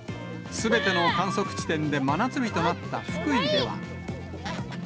すべての観測地点で真夏日となった福井では。